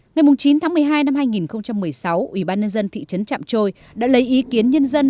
ngày chín tháng một mươi hai năm hai nghìn một mươi sáu ủy ban nhân dân thị trấn trạng trôi đã lấy ý kiến nhân dân